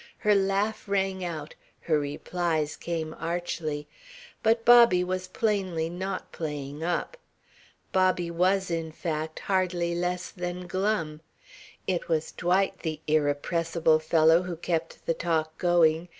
Her laugh rang out, her replies came archly. But Bobby was plainly not playing up. Bobby was, in fact, hardly less than glum. It was Dwight, the irrepressible fellow, who kept the talk going.